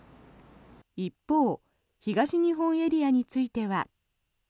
一方東日本エリアについては。